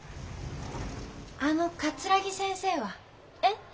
あの桂木先生は？えっ。